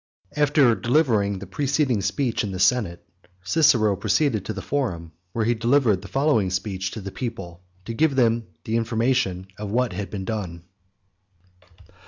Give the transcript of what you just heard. After delivering the preceding speech in the senate, Cicero proceeded to the forum, where he delivered the following speech to the people, to give them information of what had been done.